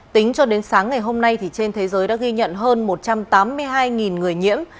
tính cho đến sáng ngày hôm nay trên thế giới đã ghi nhận hơn một trăm tám mươi hai người nhiễm